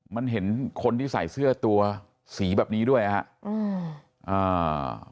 มันเห็นคนที่ใส่เสื้อตัวสีแบบนี้ด้วยนะฮะอืมอ่า